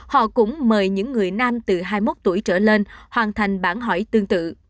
họ đã mời những người nam từ hai mươi một tuổi trở lên hoàn thành bản hỏi tương tự